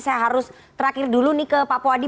saya harus terakhir dulu nih ke pak puadi